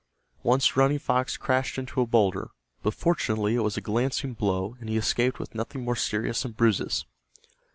Once Running Fox crashed into a boulder, but fortunately it was a glancing blow and he escaped with nothing more serious than bruises.